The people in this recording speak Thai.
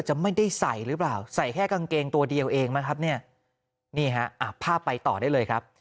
จะไม่ได้ใส่หรือเปล่าใส่แค่กางเกงตัวเดียวเองมั้งครับเนี่ยนี่ฮะภาพไปต่อได้เลยครับ